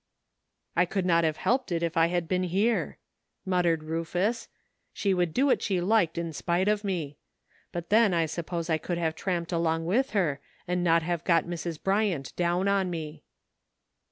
"I could not have helped it if I had been here," muttered Rufus. " She would do what she liked in spite of me ; but then I suppose I could have tramped along with her and not have got Mrs. Bryant down on me."